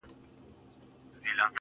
o باندي شعرونه ليكم.